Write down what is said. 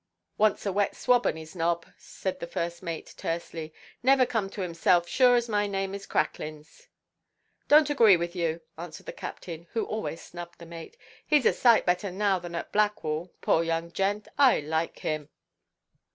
"Wants a wet swab on his nob," said the first mate, tersely; "never come to himself sure as my name is Cracklins." "Donʼt agree with you," answered the captain, who always snubbed the mate; "heʼs a sight better now than at Blackwall. Poor young gent, I like him."